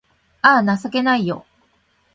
あぁ、情けないよ